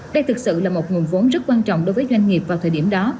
đây thực sự là một nguồn vốn rất quan trọng đối với doanh nghiệp vào thời điểm đó